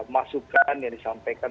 masukan yang disampaikan